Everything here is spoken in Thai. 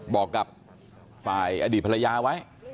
บอกกับฝ่ายอดีตภรรยาไว้